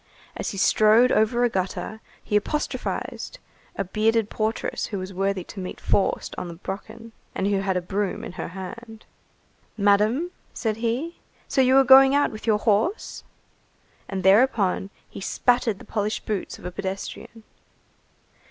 As he strode over a gutter, he apostrophized a bearded portress who was worthy to meet Faust on the Brocken, and who had a broom in her hand. "Madam," said he, "so you are going out with your horse?" And thereupon, he spattered the polished boots of a pedestrian.